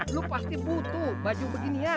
lu pasti butuh baju beginian